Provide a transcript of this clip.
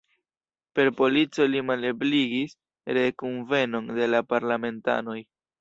Per polico li malebligis re-kunvenon de la parlamentanoj.